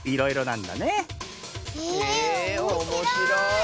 へえおもしろい！